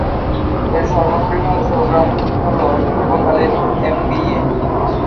এর সর্ববৃহৎ প্রোগ্রাম হলো পূর্ণকালীন এমবিএ।